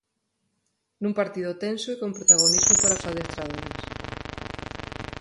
Nun partido tenso e con protagonismo para os adestradores.